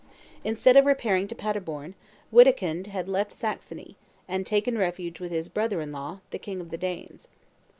Instead of repairing to Paderborn, Wittikind had left Saxony, and taken refuge with his brother in law, the king of the Danes.